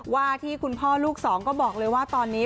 ว่าที่คุณพ่อลูกสองก็บอกเลยว่าตอนนี้